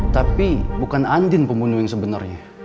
tapi bukan anjing pembunuh yang sebenarnya